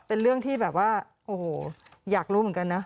เป็นเรื่องที่แบบว่าโอ้โหอยากรู้เหมือนกันนะ